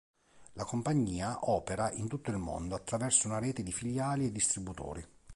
La compagnia opera in tutto il mondo attraverso una rete di filiali e distributori.